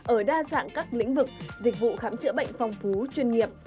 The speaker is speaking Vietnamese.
ở đa dạng các lĩnh vực dịch vụ khám chữa bệnh phong phú chuyên nghiệp